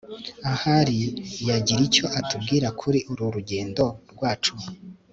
ahari yagira icyo atubwira kuri ururugendo rwacu